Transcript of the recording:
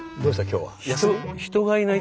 今日は。